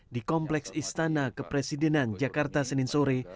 di kompleks istana kepresidenan jakarta senin sore